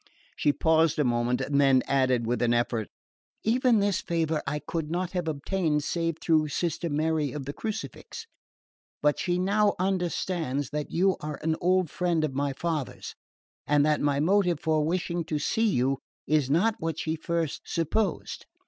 She paused a moment and then added with an effort: "Even this favour I could not have obtained save through Sister Mary of the Crucifix; but she now understands that you are an old friend of my father's, and that my motive for wishing to see you is not what she at first supposed."